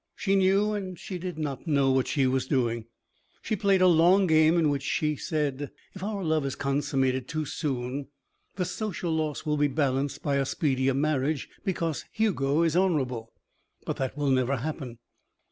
She knew and she did not know what she was doing. She played a long game in which she said: "If our love is consummated too soon, the social loss will be balanced by a speedier marriage, because Hugo is honourable; but that will never happen."